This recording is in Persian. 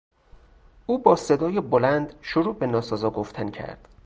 او با صدای بلند شروع به ناسزا گفتن کرد.